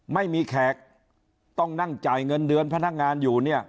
แขกต้องนั่งจ่ายเงินเดือนพนักงานอยู่เนี่ย